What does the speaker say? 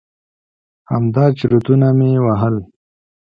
همدا چرتونه مې وهل.